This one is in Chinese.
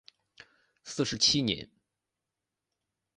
四十七年。